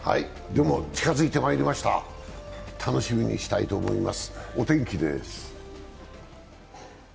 近づいてまいりました、楽しみにしたいと思います。